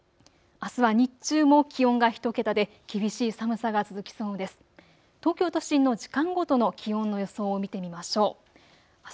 あすは日中も気温が１桁で厳しい寒さが続きそうです。